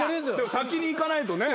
先に行かないとね。